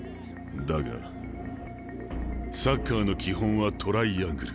だがサッカーの基本はトライアングル。